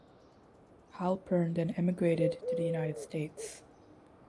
Halpern then emigrated to the United States.